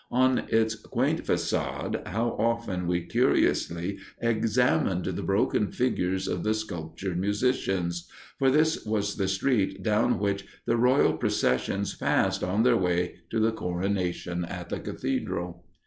On its quaint façade how often we curiously examined the broken figures of the sculptured musicians, for this was the street down which the royal processions passed on their way to the coronation at the cathedral.